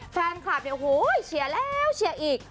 แฟนคลับเนี่ยโอ้โหเชียร์แล้วเชียร์อีก